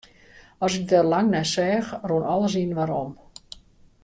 As ik der lang nei seach, rûn alles yninoar om.